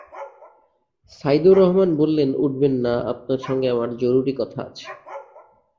সাইদুর রহমান বললেন, উঠবেন না, আপনার সঙ্গে আমার জরুরি কথা আছে।